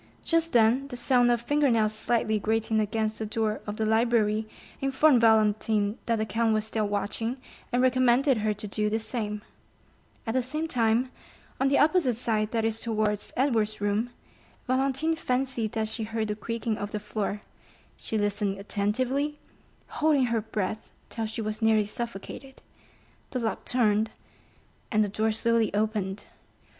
Just then the sound of finger nails slightly grating against the door of the library informed Valentine that the count was still watching, and recommended her to do the same; at the same time, on the opposite side, that is towards Edward's room, Valentine fancied that she heard the creaking of the floor; she listened attentively, holding her breath till she was nearly suffocated; the lock turned, and the door slowly opened.